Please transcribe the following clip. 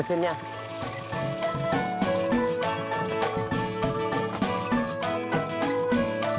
pistir dahulu mas